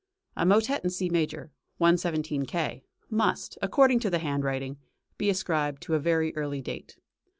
A Motett in C major (117 K.) must, according to the handwriting, be ascribed to a very early date.